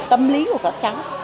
tâm lý của các cháu